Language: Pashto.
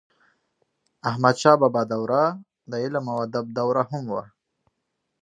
احمدشاه بابا دوره د علم او ادب دوره هم وه.